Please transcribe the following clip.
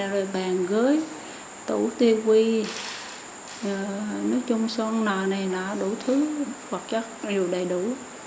rồi bàn gới tủ tiêu quy nước chung son nò này đủ thứ hoặc chất đều đầy đủ